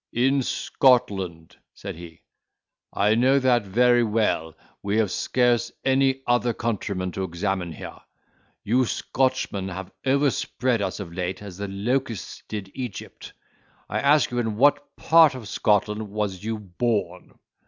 "In Scotland," said he; "I know that very well—we have scarce any other countrymen to examine here—you Scotchmen have overspread us of late as the locusts did Egypt. I ask you in what part of Scotland was you born?"